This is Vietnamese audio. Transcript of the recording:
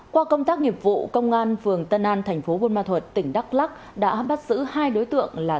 qua công tác nghiệp vụ công an phường tân an thành phố buôn ma thuật tỉnh đắk lắc đã bắt giữ hai đối tượng là